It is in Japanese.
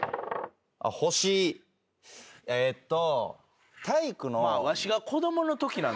「★」えっと。